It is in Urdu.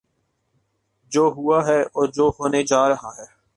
جو ہوا ہے اور جو ہونے جا رہا ہے۔